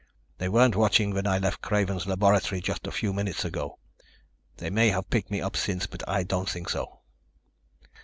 They weren't watching when I left Craven's laboratory just a few minutes ago. They may have picked me up since, but I don't think so."